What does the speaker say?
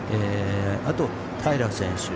あと平選手。